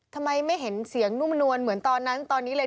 ทำไมไม่เห็นเสียงนุ่มนวลเหมือนตอนนั้นตอนนี้เลย